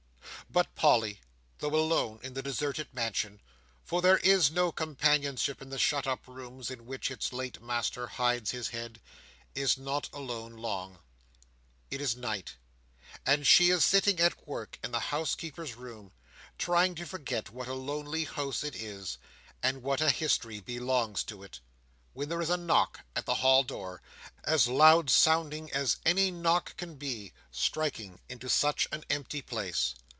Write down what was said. But Polly, though alone in the deserted mansion—for there is no companionship in the shut up rooms in which its late master hides his head—is not alone long. It is night; and she is sitting at work in the housekeeper's room, trying to forget what a lonely house it is, and what a history belongs to it; when there is a knock at the hall door, as loud sounding as any knock can be, striking into such an empty place.